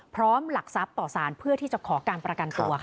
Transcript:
หลักทรัพย์ต่อสารเพื่อที่จะขอการประกันตัวค่ะ